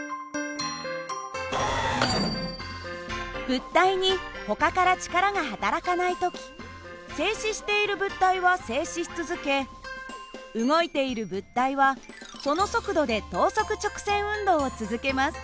物体にほかから力がはたらかない時静止している物体は静止し続け動いている物体はその速度で等速直線運動を続けます。